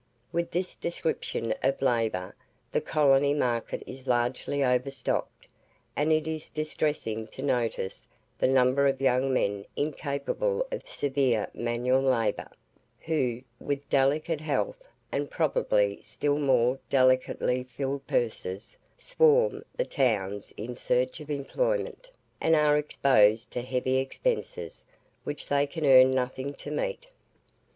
With this description of labour the colonial market is largely overstocked; and it is distressing to notice the number of young men incapable of severe manual labour, who, with delicate health, and probably still more delicately filled purses, swarm the towns in search of employment, and are exposed to heavy expenses which they can earn nothing to meet.